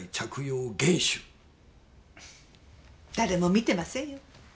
誰も見てませんよ。